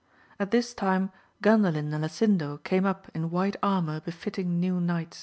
At this time GandaUn and Lasindo came up in white armour befitting new knights.